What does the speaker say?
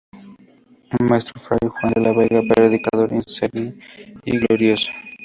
Maestro fray Juan de la Vega, predicador insigne y glorioso.